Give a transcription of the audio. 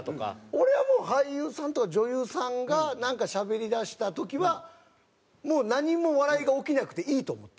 俺は俳優さんとか女優さんがなんかしゃべりだした時はもう何も笑いが起きなくていいと思ってる。